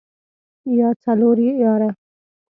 يا څلور ياره.